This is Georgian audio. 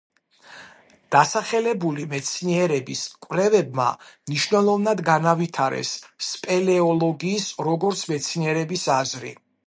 დასახელებული მეცნიერების კვლევებმა მნიშვნელოვნად განავითარეს სპელეოლოგიის როგორც მეცნიერების აზრი.